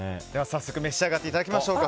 早速召し上がっていただきましょう。